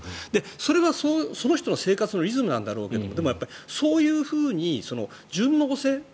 それはその人の生活のリズムなんだろうけどでもやっぱりそういうふうに順応性。